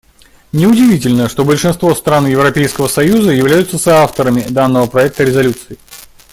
Неудивительно, что большинство стран Европейского союза являются соавторами данного проекта резолюции.